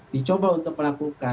dicoba untuk dilakukan